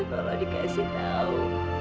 kalau dikasih tau